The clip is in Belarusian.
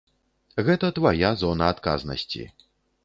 Гэта твая зона адказнасці.